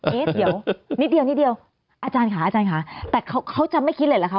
เอ๊ะเดี๋ยวนิดเดียวนิดเดียวอาจารย์ค่ะอาจารย์ค่ะแต่เขาจะไม่คิดเลยเหรอคะ